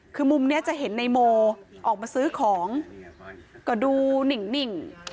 คือมุมนี้จะเห็นในโมออกมาซื้อของก็ดูนิ่ง